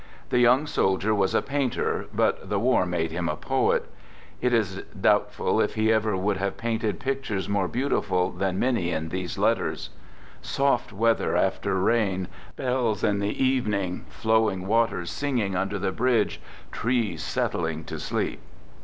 The young soldier was a painter, but the war made him a poet. It is doubtful if he ever would have painted pictures more beautiful than many in these letters: "Soft weather after rain. Bells in the evening; flowing waters singing under the bridges; trees settling to sleep."